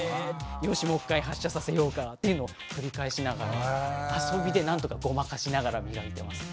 よしもう１回発射させようか」っていうのを繰り返しながら遊びでなんとかごまかしながら磨いてますね。